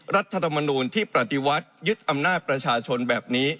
รัฐธรรมนูลที่ปฏิวัติยึดอำนาจประชาชนแบบนี้